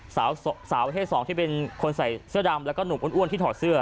สาวประเภทสองที่เป็นคนใส่เสื้อดำแล้วก็หนุ่มอ้วนที่ถอดเสื้อ